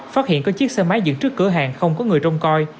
phát hiện có chiếc xe máy dựng trước cửa hàng không có người trông coi